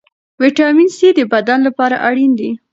ویټامین سي د بدن لپاره اړین دی.